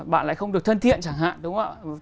bạn lại không được thân thiện chẳng hạn đúng không ạ